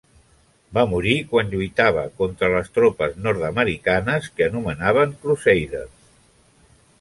Va morir quan lluitava contra les tropes nord-americanes que anomenaven "Crusaders".